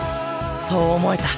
そう思えた